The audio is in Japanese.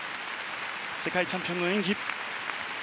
世界チャンピオンの演技。